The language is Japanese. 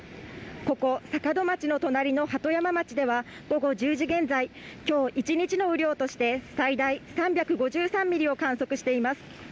ここ坂戸町の隣の鳩山町では今日一日の雨量として最大３５３ミリを観測しています。